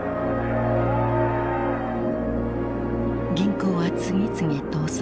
銀行は次々倒産。